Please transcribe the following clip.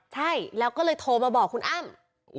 ใช่แล้วก็เลยโทรมาบอกคุณอ้ำ